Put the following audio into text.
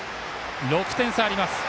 ６点差あります。